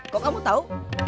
kok kamu tau